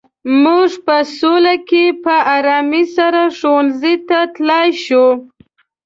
موږ په سوله کې په ارامۍ سره ښوونځي ته تلای شو.